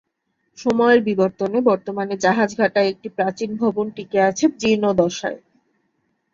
সময়ের বিবর্তনে বর্তমানে জাহাজঘাটায় একটি প্রাচীন ভবন টিকে আছে জীর্ণদশায়।